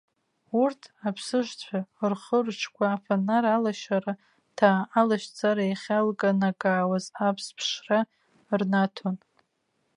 Урҭ аԥсыжцәа рхы-рҿқәа афонар алашара-ҭаа алашьцара иахьалнакаауаз аԥс-ԥшра рнаҭон.